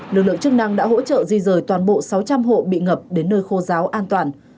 lực lượng chức năng đã hỗ trợ di rời toàn bộ sáu trăm linh hộ bị ngập đến nơi khô giáo an toàn